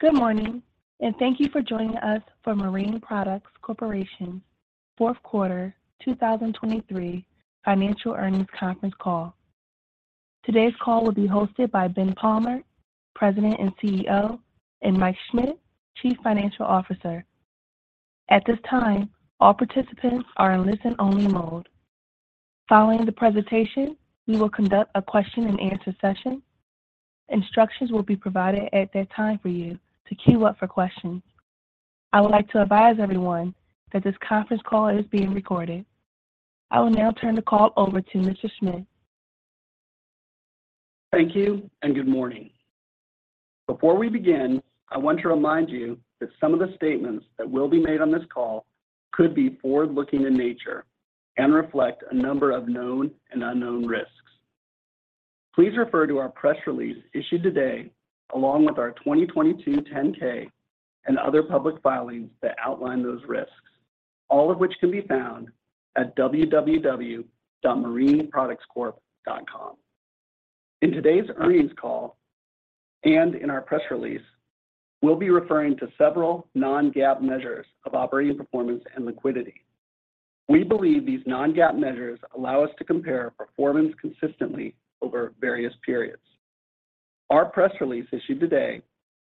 Good morning, and thank you for joining us for Marine Products Corporation's fourth quarter 2023 financial earnings conference call. Today's call will be hosted by Ben Palmer, President and CEO, and Mike Schmit, Chief Financial Officer. At this time, all participants are in listen-only mode. Following the presentation, we will conduct a question-and-answer session. Instructions will be provided at that time for you to queue up for questions. I would like to advise everyone that this conference call is being recorded. I will now turn the call over to Mr. Schmit. Thank you and good morning. Before we begin, I want to remind you that some of the statements that will be made on this call could be forward-looking in nature and reflect a number of known and unknown risks. Please refer to our press release issued today, along with our 2022 10-K and other public filings that outline those risks, all of which can be found at www.marineproductscorp.com. In today's earnings call, and in our press release, we'll be referring to several non-GAAP measures of operating performance and liquidity. We believe these non-GAAP measures allow us to compare performance consistently over various periods. Our press release issued today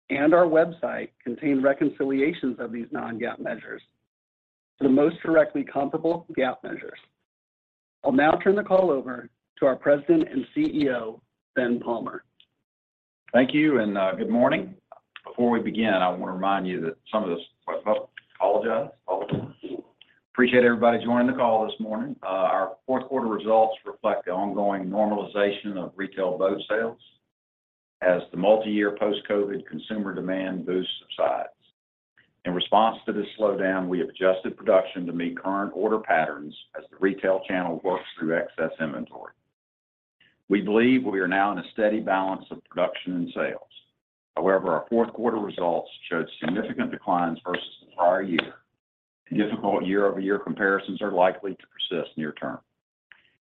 and our website contain reconciliations of these non-GAAP measures to the most directly comparable GAAP measures. I'll now turn the call over to our President and CEO, Ben Palmer. Thank you and, good morning. Before we begin, I apologize. Appreciate everybody joining the call this morning. Our fourth quarter results reflect the ongoing normalization of retail boat sales as the multi-year post-COVID consumer demand boost subsides. In response to this slowdown, we have adjusted production to meet current order patterns as the retail channel works through excess inventory. We believe we are now in a steady balance of production and sales. However, our fourth quarter results showed significant declines versus the prior year. Difficult year-over-year comparisons are likely to persist near term.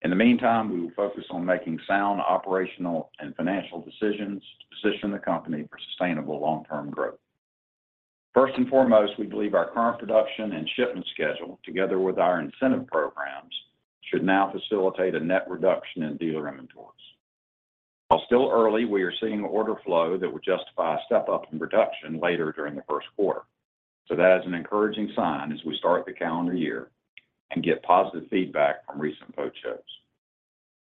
In the meantime, we will focus on making sound, operational, and financial decisions to position the company for sustainable long-term growth. First and foremost, we believe our current production and shipment schedule, together with our incentive programs, should now facilitate a net reduction in dealer inventories. While still early, we are seeing order flow that would justify a step-up in production later during the first quarter. So that is an encouraging sign as we start the calendar year and get positive feedback from recent boat shows.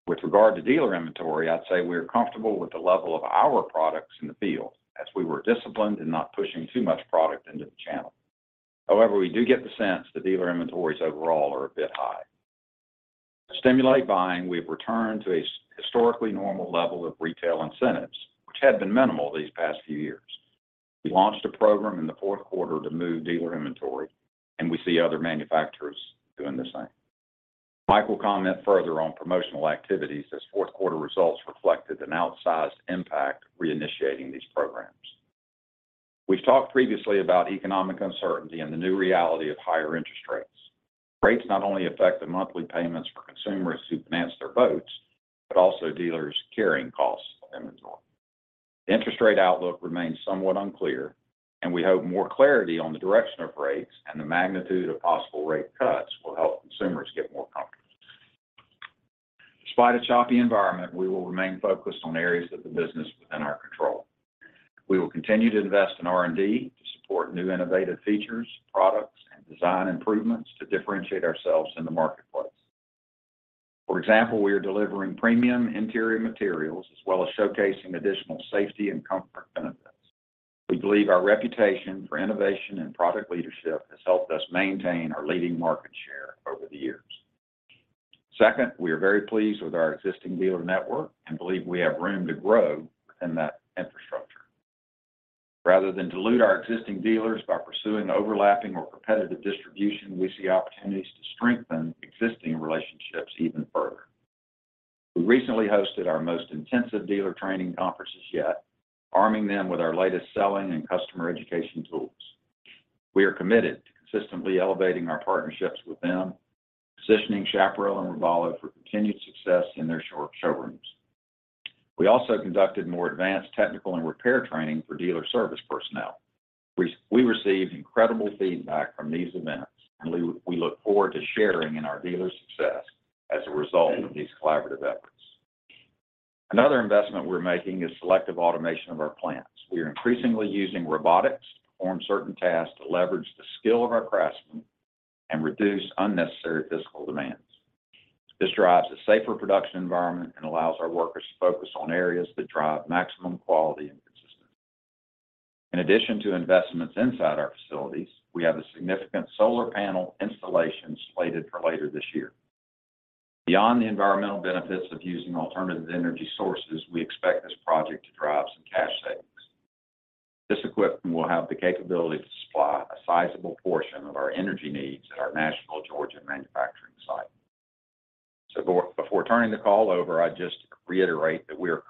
With regard to dealer inventory, I'd say we are comfortable with the level of our products in the field as we were disciplined in not pushing too much product into the channel. However, we do get the sense that dealer inventories overall are a bit high. To stimulate buying, we have returned to a historically normal level of retail incentives, which had been minimal these past few years. We launched a program in the fourth quarter to move dealer inventory, and we see other manufacturers doing the same. Mike will comment further on promotional activities as fourth quarter results reflected an outsized impact reinitiating these programs. We've talked previously about economic uncertainty and the new reality of higher interest rates. Rates not only affect the monthly payments for consumers who finance their boats, but also dealers' carrying costs of inventory. The interest rate outlook remains somewhat unclear, and we hope more clarity on the direction of rates and the magnitude of possible rate cuts will help consumers get more comfortable. Despite a choppy environment, we will remain focused on areas of the business within our control. We will continue to invest in R&D to support new innovative features, products, and design improvements to differentiate ourselves in the marketplace. For example, we are delivering premium interior materials as well as showcasing additional safety and comfort benefits. We believe our reputation for innovation and product leadership has helped us maintain our leading market share over the years. Second, we are very pleased with our existing dealer network and believe we have room to grow in that infrastructure. Rather than dilute our existing dealers by pursuing overlapping or competitive distribution, we see opportunities to strengthen existing relationships even further. We recently hosted our most intensive dealer training conferences yet, arming them with our latest selling and customer education tools. We are committed to consistently elevating our partnerships with them, positioning Chaparral and Robalo for continued success in their showrooms. We also conducted more advanced technical and repair training for dealer service personnel. We received incredible feedback from these events, and we look forward to sharing in our dealers' success as a result of these collaborative efforts. Another investment we're making is selective automation of our plants. We are increasingly using robotics to perform certain tasks to leverage the skill of our craftsmen and reduce unnecessary physical demands. This drives a safer production environment and allows our workers to focus on areas that drive maximum quality and consistency. In addition to investments inside our facilities, we have a significant solar panel installation slated for later this year. Beyond the environmental benefits of using alternative energy sources, we expect this project to drive some cash savings. This equipment will have the capability to supply a sizable portion of our energy needs at our Nashville Georgia manufacturing site. So before turning the call over, I'd just reiterate that we are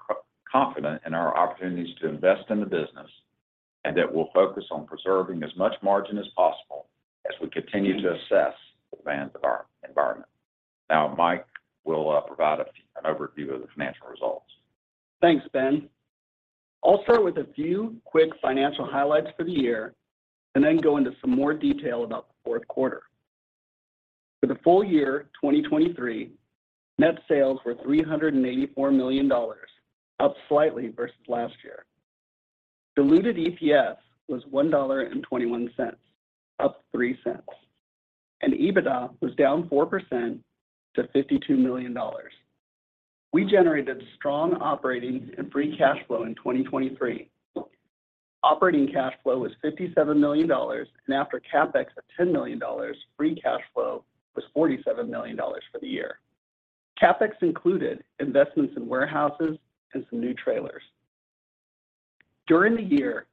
confident in our opportunities to invest in the business, and that we'll focus on preserving as much margin as possible. We continue to assess the demands of our environment. Now, Mike will provide an overview of the financial results. Thanks, Ben. I'll start with a few quick financial highlights for the year and then go into some more detail about the fourth quarter. For the full year, 2023, net sales were $384 million, up slightly versus last year. Diluted EPS was $1.21, up 3 cents, and EBITDA was down 4% to $52 million. We generated strong operating and free cash flow in 2023. Operating cash flow was $57 million, and after CapEx of $10 million, free cash flow was $47 million for the year. CapEx included investments in warehouses and some new trailers. During the year,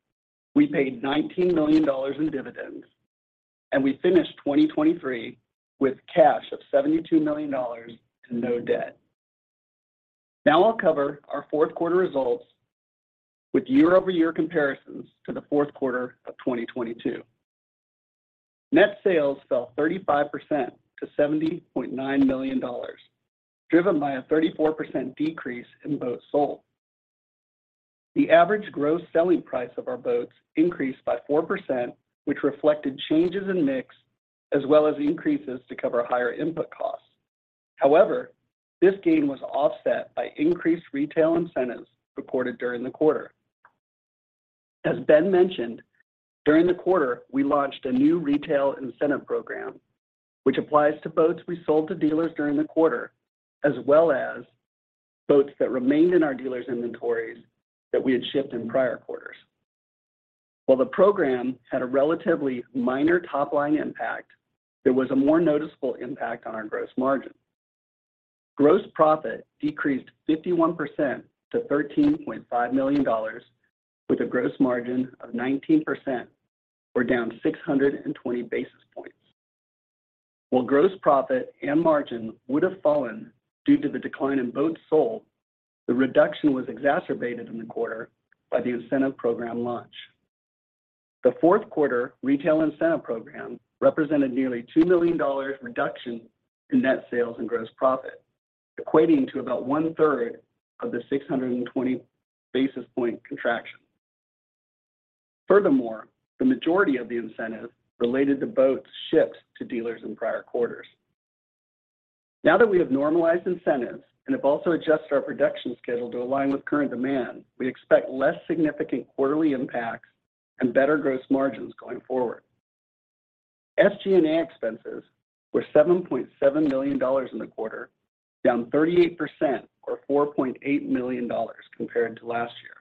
we paid $19 million in dividends, and we finished 2023 with cash of $72 million and no debt. Now I'll cover our fourth quarter results with year-over-year comparisons to the fourth quarter of 2022. Net sales fell 35% to $70.9 million, driven by a 34% decrease in boats sold. The average gross selling price of our boats increased by 4%, which reflected changes in mix, as well as increases to cover higher input costs. However, this gain was offset by increased retail incentives recorded during the quarter. As Ben mentioned, during the quarter, we launched a new retail incentive program, which applies to boats we sold to dealers during the quarter, as well as boats that remained in our dealers' inventories that we had shipped in prior quarters. While the program had a relatively minor top-line impact, there was a more noticeable impact on our gross margin. Gross profit decreased 51% to $13.5 million, with a gross margin of 19% or down 620 basis points. While gross profit and margin would have fallen due to the decline in boats sold, the reduction was exacerbated in the quarter by the incentive program launch. The fourth quarter retail incentive program represented nearly $2 million reduction in net sales and gross profit, equating to about one-third of the 620 basis point contraction. Furthermore, the majority of the incentive related to boats shipped to dealers in prior quarters. Now that we have normalized incentives and have also adjusted our production schedule to align with current demand, we expect less significant quarterly impacts and better gross margins going forward. SG&A expenses were $7.7 million in the quarter, down 38% or $4.8 million compared to last year.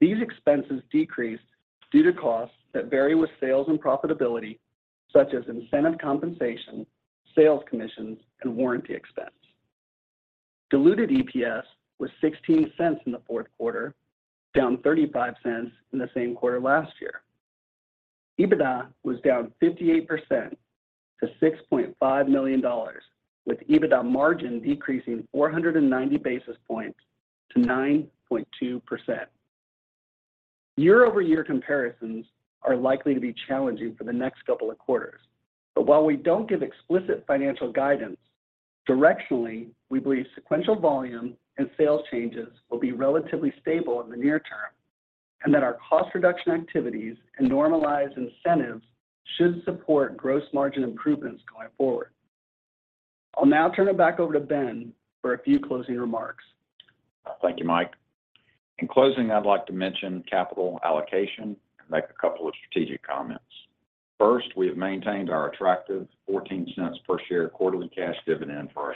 These expenses decreased due to costs that vary with sales and profitability, such as incentive compensation, sales commissions, and warranty expense. Diluted EPS was $0.16 in the fourth quarter, down $0.35 in the same quarter last year. EBITDA was down 58% to $6.5 million, with EBITDA margin decreasing 490 basis points to 9.2%. Year-over-year comparisons are likely to be challenging for the next couple of quarters. But while we don't give explicit financial guidance, directionally, we believe sequential volume and sales changes will be relatively stable in the near term, and that our cost reduction activities and normalized incentives should support gross margin improvements going forward. I'll now turn it back over to Ben for a few closing remarks. Thank you, Mike. In closing, I'd like to mention capital allocation and make a couple of strategic comments. First, we have maintained our attractive $0.14 per share quarterly cash dividend for our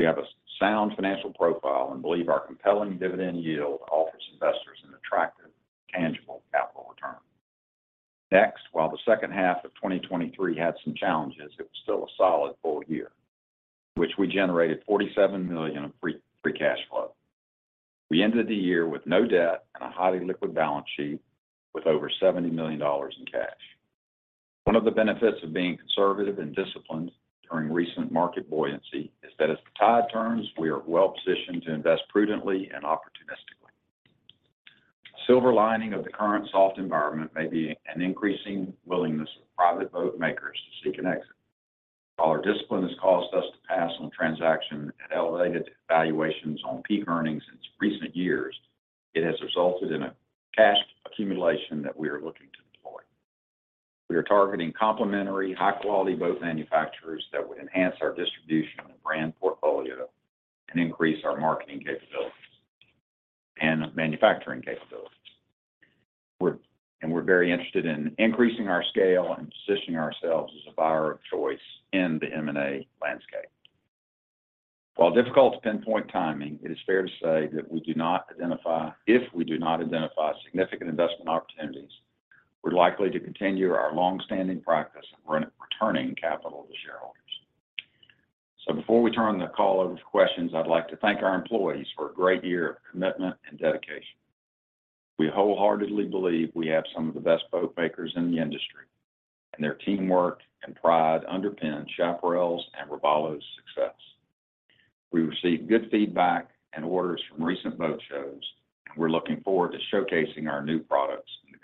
shareholders. We have a sound financial profile and believe our compelling dividend yield offers investors an attractive, tangible capital return. Next, while the second half of 2023 had some challenges, it was still a solid full year, which we generated $47 million of free cash flow. We ended the year with no debt and a highly liquid balance sheet with over $70 million in cash. One of the benefits of being conservative and disciplined during recent market buoyancy is that as the tide turns, we are well-positioned to invest prudently and opportunistically. Silver lining of the current soft environment may be an increasing willingness of private boat makers to seek an exit. While our discipline has caused us to pass on transactions at elevated valuations on peak earnings in recent years, it has resulted in a cash accumulation that we are looking to deploy. We are targeting complementary, high-quality boat manufacturers that would enhance our distribution and brand portfolio and increase our marketing capabilities and manufacturing capabilities. And we're very interested in increasing our scale and positioning ourselves as a buyer of choice in the M&A landscape. While difficult to pinpoint timing, it is fair to say that if we do not identify significant investment opportunities, we're likely to continue our long-standing practice of returning capital to shareholders. So before we turn the call over to questions, I'd like to thank our employees for a great year of commitment and dedication. We wholeheartedly believe we have some of the best boat makers in the industry, and their teamwork and pride underpin Chaparral's and Robalo's success. We received good feedback and orders from recent boat shows, and we're looking forward to showcasing our new products in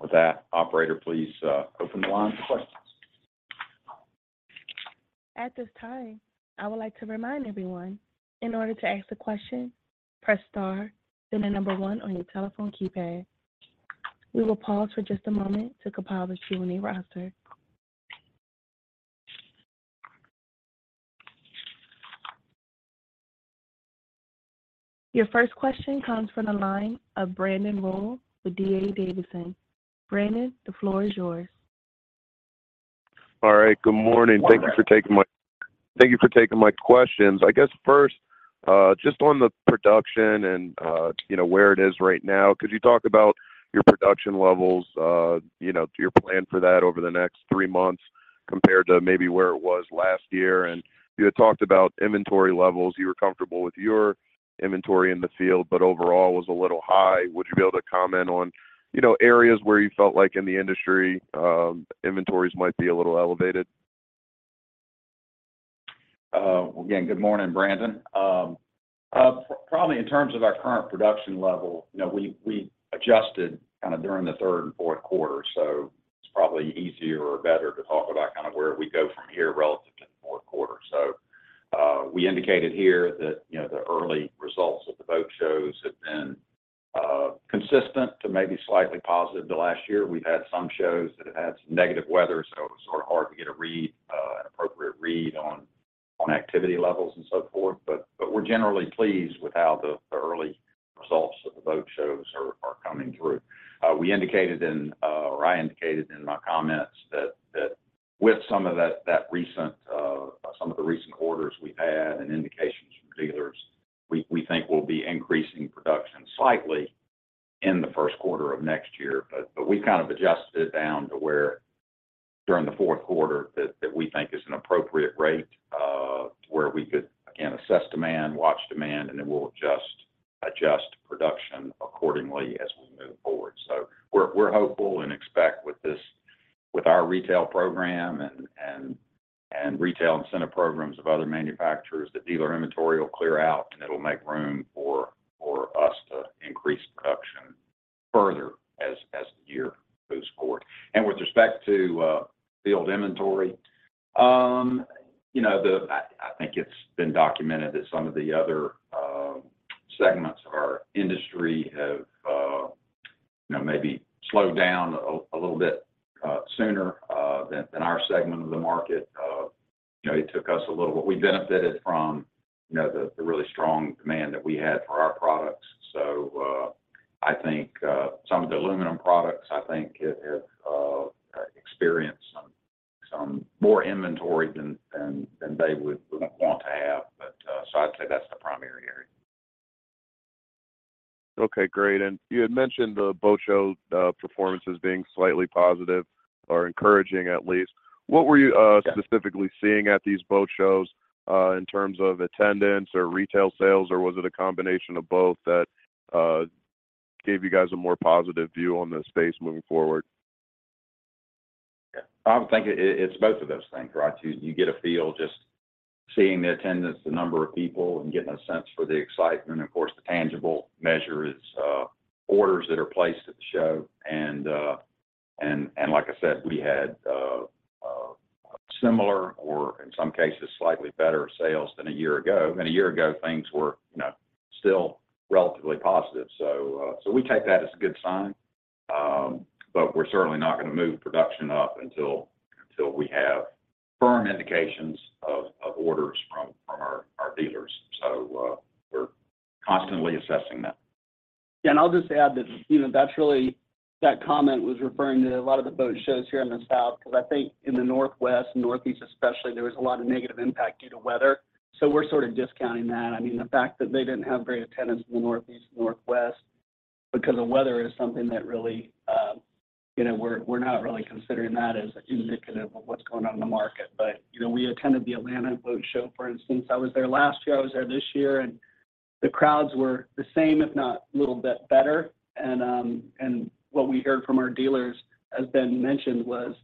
the coming weeks. With that, operator, please, open the line for questions. At this time, I would like to remind everyone, in order to ask a question, press star, then the number one on your telephone keypad. We will pause for just a moment to compile the Q&A roster. Your first question comes from the line of Brandon Rollé with D.A. Davidson. Brandon, the floor is yours. All right. Good morning. Morning. Thank you for taking my, thank you for taking my questions. I guess first, just on the production and, you know, where it is right now, could you talk about your production levels, you know, your plan for that over the next three months compared to maybe where it was last year? And you had talked about inventory levels. You were comfortable with your inventory in the field, but overall was a little high. Would you be able to comment on, you know, areas where you felt like in the industry, inventories might be a little elevated? Well, again, good morning, Brandon. Probably in terms of our current production level, you know, we adjusted kind of during the third and fourth quarter, so it's probably easier or better to talk about kind of where we go from here relative to the fourth quarter. So, we indicated here that, you know, the early results of the boat shows have been consistent to maybe slightly positive to last year. We've had some shows that have had some negative weather, so it's sort of hard to get a read, an appropriate read on activity levels and so forth. But we're generally pleased with how the early results of the boat shows are coming through. We indicated in, or I indicated in my comments that with some of the recent orders we've had and indications from dealers, we think we'll be increasing production slightly in the first quarter of next year. But we've kind of adjusted it down to where during the fourth quarter that we think is an appropriate rate, where we could again assess demand, watch demand, and then we'll adjust production accordingly as we move forward. So we're hopeful and expect with this, with our retail program and retail incentive programs of other manufacturers, that dealer inventory will clear out, and it'll make room for us to increase production further as the year moves forward. With respect to field inventory, you know, I think it's been documented that some of the other segments of our industry have, you know, maybe slowed down a little bit sooner than our segment of the market. You know, it took us a little. We benefited from, you know, the really strong demand that we had for our products. So, I think some of the aluminum products, I think, have experienced some more inventory than they would want to have. But, so I'd say that's the primary area. Okay, great. And you had mentioned the boat show, performances being slightly positive or encouraging at least. Yeah. What were you, specifically seeing at these boat shows, in terms of attendance or retail sales? Or was it a combination of both that gave you guys a more positive view on the space moving forward? Yeah. I would think it, it's both of those things, right? You get a feel just seeing the attendance, the number of people, and getting a sense for the excitement. And of course, the tangible measure is orders that are placed at the show. And like I said, we had similar or in some cases, slightly better sales than a year ago. And a year ago, things were, you know, still relatively positive. So we take that as a good sign. But we're certainly not gonna move production up until we have firm indications of orders from our dealers. So we're constantly assessing that. Yeah, and I'll just add that, you know, that's really... That comment was referring to a lot of the boat shows here in the South, because I think in the Northwest and Northeast especially, there was a lot of negative impact due to weather. So we're sort of discounting that. I mean, the fact that they didn't have great attendance in the Northeast and Northwest because of weather is something that really, you know, we're not really considering that as indicative of what's going on in the market. But, you know, we attended the Atlanta Boat Show, for instance. I was there last year, I was there this year, and the crowds were the same, if not a little bit better. What we heard from our dealers, as Ben mentioned, was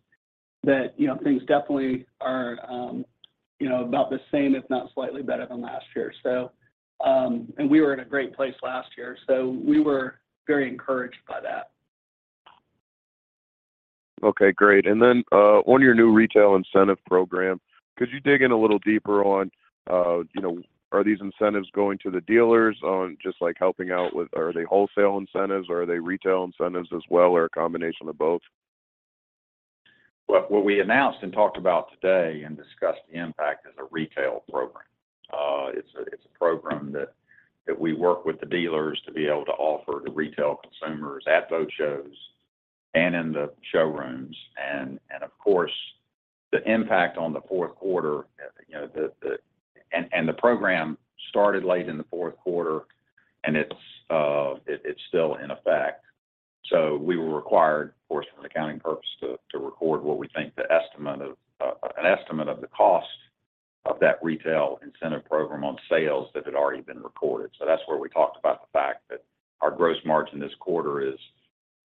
that, you know, things definitely are, you know, about the same, if not slightly better than last year. So we were in a great place last year, so we were very encouraged by that. Okay, great. And then, on your new retail incentive program, could you dig in a little deeper on, you know, are these incentives going to the dealers on just like helping out with... Are they wholesale incentives, or are they retail incentives as well, or a combination of both? Well, what we announced and talked about today and discussed the impact is a retail program. It's a program that we work with the dealers to be able to offer to retail consumers at boat shows and in the showrooms. And of course, the impact on the fourth quarter, you know, the program started late in the fourth quarter, and it's still in effect. So we were required, of course, from an accounting purpose, to record what we think the estimate of the cost of that retail incentive program on sales that had already been recorded. So that's where we talked about the fact that our gross margin this quarter is-...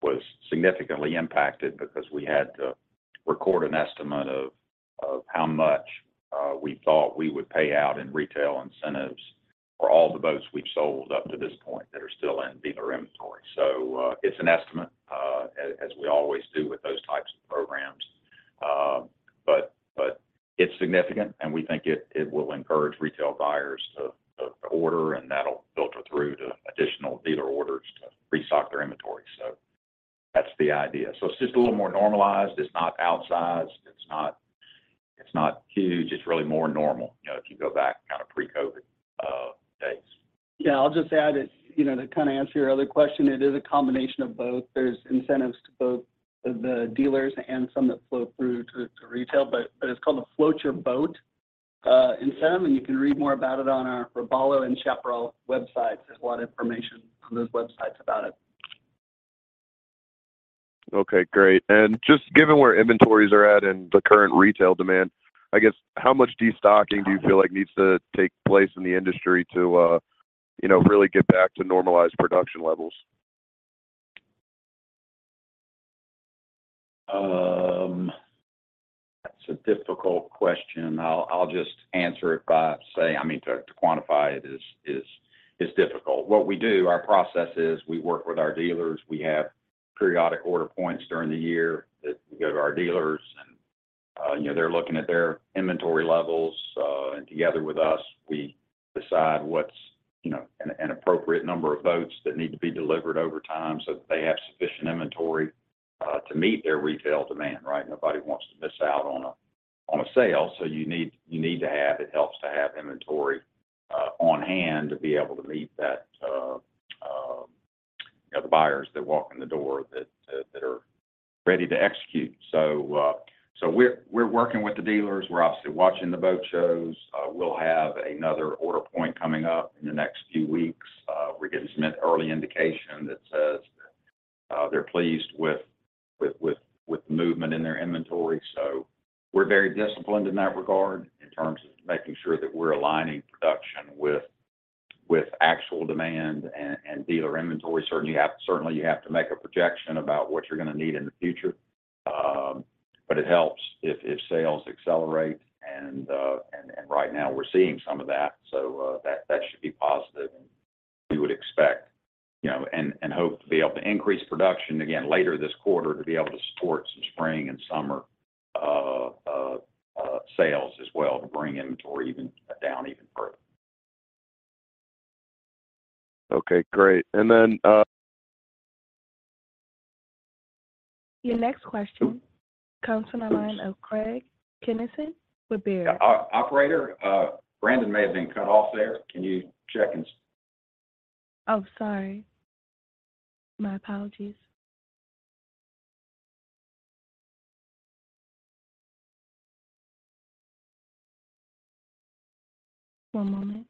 was significantly impacted because we had to record an estimate of how much we thought we would pay out in retail incentives for all the boats we've sold up to this point that are still in dealer inventory. So, it's an estimate, as we always do with those types of programs. But, it's significant, and we think it will encourage retail buyers to order, and that'll filter through to additional dealer orders to restock their inventory. So that's the idea. So it's just a little more normalized. It's not outsized. It's not, it's not huge. It's really more normal, you know, if you go back kind of pre-COVID days. Yeah, I'll just add that, you know, to kind of answer your other question, it is a combination of both. There's incentives to both the dealers and some that flow through to retail. But it's called a Float Your Boat incentive, and you can read more about it on our Robalo and Chaparral websites. There's a lot of information on those websites about it. Okay, great. And just given where inventories are at and the current retail demand, I guess how much destocking do you feel like needs to take place in the industry to, you know, really get back to normalized production levels? That's a difficult question. I'll just answer it by saying, I mean, to quantify it is difficult. What we do, our process is we work with our dealers. We have periodic order points during the year that we go to our dealers, and you know, they're looking at their inventory levels. And together with us, we decide what's, you know, an appropriate number of boats that need to be delivered over time so that they have sufficient inventory to meet their retail demand, right? Nobody wants to miss out on a sale, so you need to have... It helps to have inventory on hand to be able to meet that you know, the buyers that walk in the door that that are ready to execute. So we're working with the dealers. We're obviously watching the boat shows. We'll have another order point coming up in the next few weeks. We're getting some early indication that says that they're pleased with the movement in their inventory. So we're very disciplined in that regard in terms of making sure that we're aligning production with actual demand and dealer inventory. Certainly, you have to make a projection about what you're going to need in the future. But it helps if sales accelerate and right now we're seeing some of that, so that should be positive. And we would expect, you know, and hope to be able to increase production again later this quarter to be able to support some spring and summer sales as well, to bring inventory even down even further. Okay, great. And then, Your next question comes from the line of Craig Kennison with Baird. Operator, Brandon may have been cut off there. Can you check and- Oh, sorry. My apologies. One moment.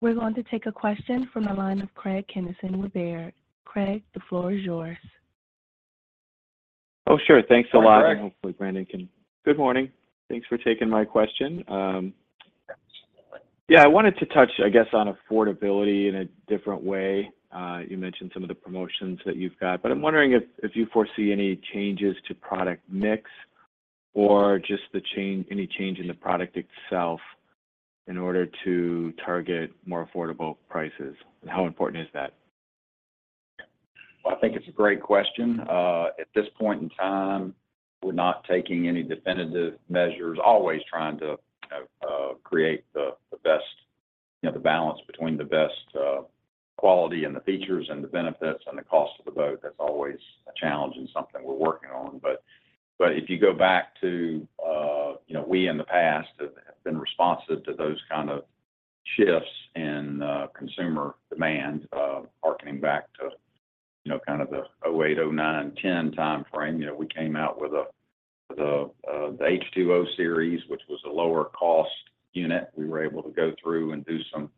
We're going to take a question from the line of Craig Kennison with Baird. Craig, the floor is yours. Oh, sure. Thanks a lot. Hi, Craig. Hopefully Brandon can... Good morning. Thanks for taking my question. Yeah, I wanted to touch, I guess, on affordability in a different way. You mentioned some of the promotions that you've got, but I'm wondering if you foresee any changes to product mix or just the change, any change in the product itself in order to target more affordable prices, and how important is that? I think it's a great question. At this point in time, we're not taking any definitive measures, always trying to create the best, you know, the balance between the best quality and the features and the benefits and the cost of the boat. That's always a challenge and something we're working on. But if you go back to, you know, we in the past have been responsive to those kind of shifts in consumer demand. Harkening back to, you know, kind of the 2008, 2009, 2010 time frame, you know, we came out with the H2O series, which was a lower cost unit. We were able to go through and do some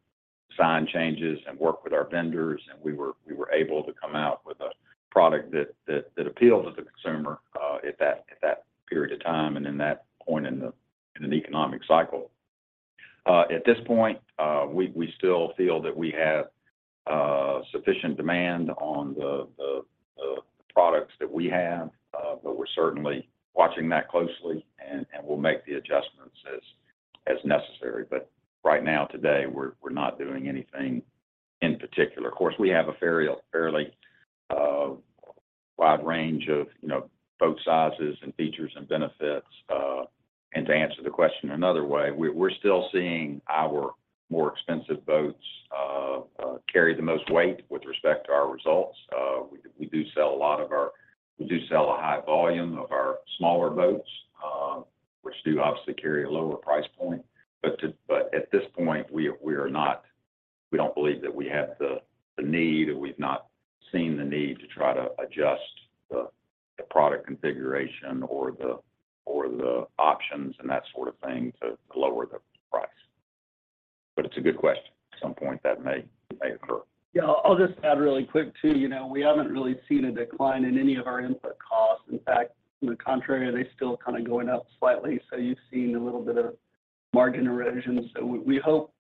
design changes and work with our vendors, and we were able to come out with a product that appealed to the consumer at that period of time and in that point in an economic cycle. At this point, we still feel that we have sufficient demand on the products that we have. But we're certainly watching that closely, and we'll make the adjustments as necessary. But right now, today, we're not doing anything in particular. Of course, we have a fairly wide range of, you know, boat sizes and features and benefits. And to answer the question another way, we're still seeing our more expensive boats carry the most weight with respect to our results. We do sell a high volume of our smaller boats, which do obviously carry a lower price point. But at this point, we are not, we don't believe that we have the need, and we've not seen the need to try to adjust the product configuration or the options and that sort of thing to lower the price. But it's a good question. At some point, that may occur. Yeah, I'll just add really quick, too, you know, we haven't really seen a decline in any of our input costs. In fact, on the contrary, they're still kind of going up slightly, so you've seen a little bit of margin erosion. So we hope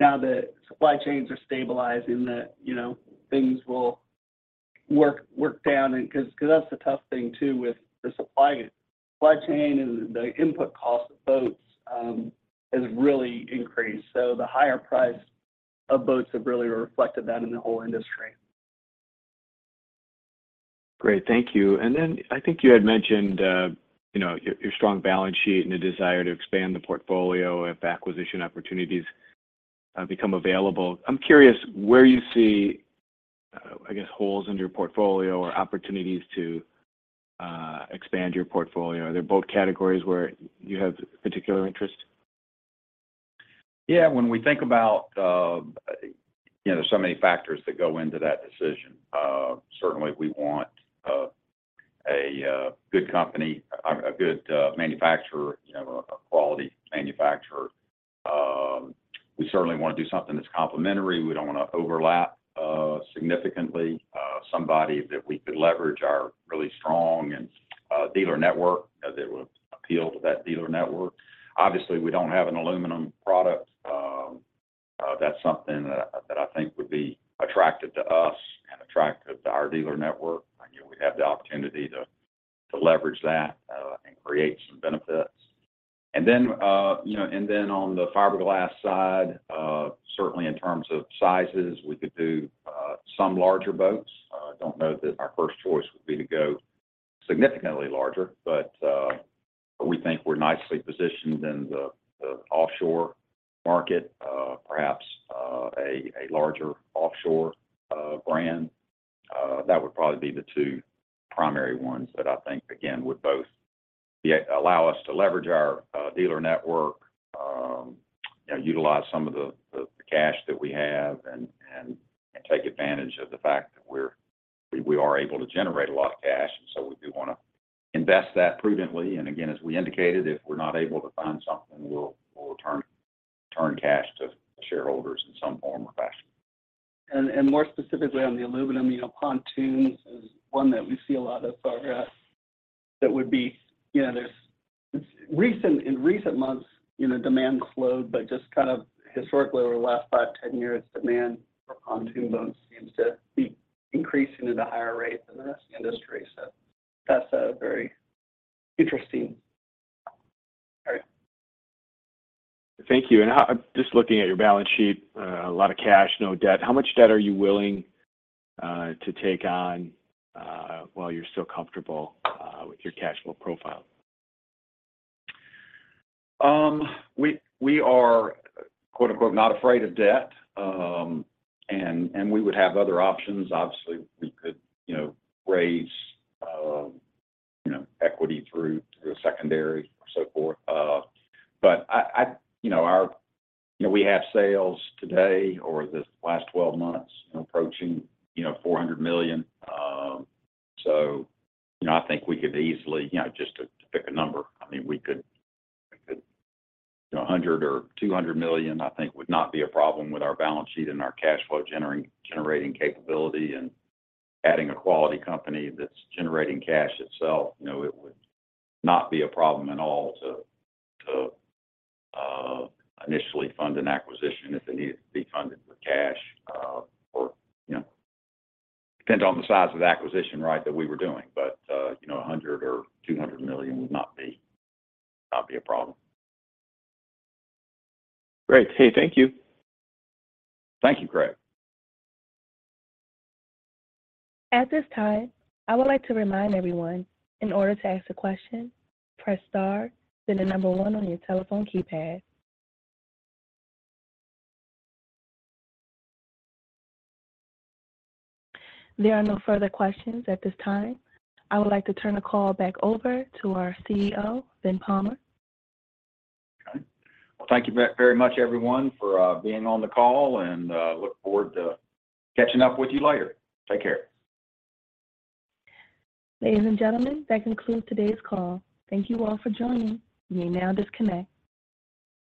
now that supply chains are stabilizing, that, you know, things will work down. And because that's the tough thing, too, with the supply chain. Supply chain and the input cost of boats has really increased, so the higher price of boats have really reflected that in the whole industry. Great. Thank you. And then I think you had mentioned, you know, your, your strong balance sheet and the desire to expand the portfolio if acquisition opportunities become available. I'm curious where you see, I guess, holes in your portfolio or opportunities to expand your portfolio. Are there boat categories where you have particular interest? Yeah, when we think about, you know, there's so many factors that go into that decision. Certainly, we want a good company, a good manufacturer, you know, a quality manufacturer. We certainly want to do something that's complementary. We don't want to overlap significantly. Somebody that we could leverage our really strong dealer network, as it would appeal to that dealer network. Obviously, we don't have an aluminum product. That's something that I think would be attractive to us and attractive to our dealer network. Again, we have the opportunity to leverage that and create some benefits. And then, you know, on the fiberglass side, certainly in terms of sizes, we could do some larger boats. I don't know that our first choice would be to go significantly larger, but we think we're nicely positioned in the offshore market. Perhaps a larger offshore brand. That would probably be the two primary ones that I think, again, would both allow us to leverage our dealer network, you know, utilize some of the cash that we have, and take advantage of the fact that we are able to generate a lot of cash, and so we do want to invest that prudently. And again, as we indicated, if we're not able to find something, we'll return cash to shareholders in some form or fashion. More specifically on the aluminum, you know, pontoons is one that we see a lot of progress. That would be. You know, in recent months, you know, demand slowed, but just kind of historically, over the last 5, 10 years, demand for pontoon boats seems to be increasing at a higher rate than the rest of the industry. So that's a very interesting area. Thank you. Now, I'm just looking at your balance sheet, a lot of cash, no debt. How much debt are you willing to take on while you're still comfortable with your cash flow profile? We are, quote-unquote, "not afraid of debt." And we would have other options. Obviously, we could, you know, raise, you know, equity through a secondary or so forth. But I... You know, our—you know, we have sales today or this last twelve months approaching, you know, $400 million. So, you know, I think we could easily, you know, just to pick a number, I mean, we could, you know, $100 million or $200 million, I think, would not be a problem with our balance sheet and our cash flow generating capability. And adding a quality company that's generating cash itself, you know, it would not be a problem at all to initially fund an acquisition if it needed to be funded with cash. You know, it depends on the size of the acquisition, right, that we were doing. But, you know, $100 million or $200 million would not be, not be a problem. Great. Hey, thank you. Thank you, Craig. At this time, I would like to remind everyone, in order to ask a question, press star, then the number one on your telephone keypad. There are no further questions at this time. I would like to turn the call back over to our CEO, Ben Palmer. Okay. Well, thank you very much, everyone, for being on the call, and look forward to catching up with you later. Take care. Ladies and gentlemen, that concludes today's call. Thank you all for joining. You may now disconnect.